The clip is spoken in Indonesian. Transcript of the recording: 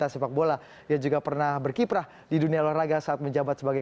esko pun juga dipilih masing masing